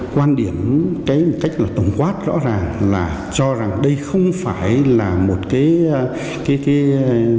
quan điểm cái cách là tổng quát rõ ràng là cho rằng đây không phải là một cái hoạt động đúng giáo lý của giáo hội gì hết